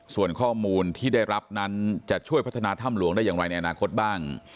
ส่วนข้อมูลที่ได้รับนั้นจะช่วยพัฒนาถ้ำหลวงได้อย่างไรในอนาคตบ้าง